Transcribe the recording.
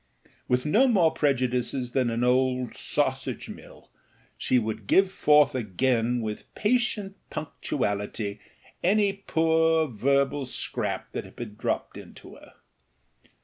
With no more prejudices than an old sausage mill, she would give forth again with patient punctuality any poor verbal scrap that had been dropped into her.